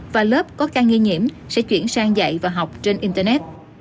và lớp có ca nghi nhiễm sẽ chuyển sang dạy và học trên internet